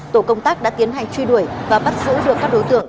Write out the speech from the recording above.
tổ công tác đã tiến hành truy đuổi và bắt giữ được các đối tượng